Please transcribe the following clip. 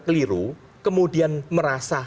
keliru kemudian merasa